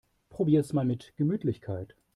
Probier's mal mit Gemütlichkeit!